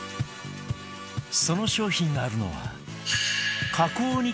その商品があるのは「加工肉？」